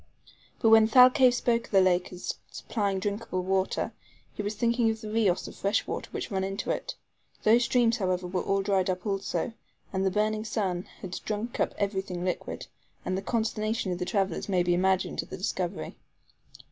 But when Thalcave spoke of the lake as supplying drinkable water he was thinking of the RIOS of fresh water which run into it. Those streams, however, were all dried up also; the burning sun had drunk up every thing liquid, and the consternation of the travelers may be imagined at the discovery.